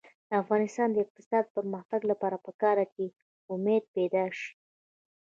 د افغانستان د اقتصادي پرمختګ لپاره پکار ده چې امید پیدا شي.